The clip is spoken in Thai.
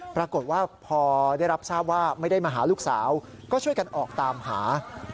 ปรากฏว่าพอได้รับทราบว่าไม่ได้มาหาลูกสาวก็ช่วยกันออกตามหา